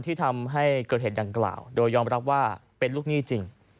ที่ทำให้เกิดเหตุดังกล่าวโดยยอมรับว่าเป็นลูกหนี้จริง